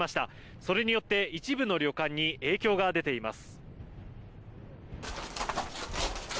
それによって一部の旅館に影響が出ています。